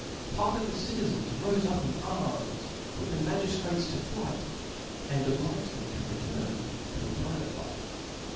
Part of the citizens rofe up in arms (), put the ma g*) Ariftot. giftrates to flight, and obliged them to return tObooVju. a private life.